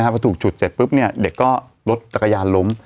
พอถูกฉุดเสร็จเด็กรถตะกายารล้ม